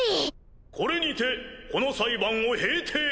これにてこの裁判を閉廷。